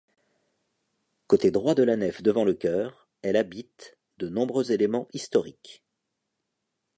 Côté droit de la nef devant le chœur, elle habite de nombreux éléments historiques.